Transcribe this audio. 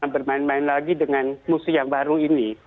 bermain main lagi dengan musuh yang baru ini